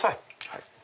はい。